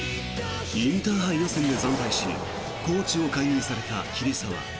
インターハイ予選で惨敗しコーチを解任された桐沢。